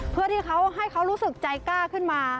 เพื่อที่เขาให้เขารู้สึกใจกล้าขึ้นมา